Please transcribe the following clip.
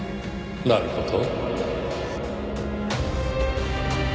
なるほど。